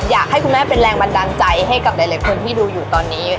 อยากให้คุณแม่เป็นแรงบันดาลใจให้กับหลายคนที่ดูอยู่ตอนนี้